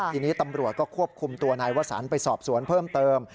ทีนี้ตำรวจก็ควบคุมตัวนายวสันไปสอบสวนเพิ่มเติม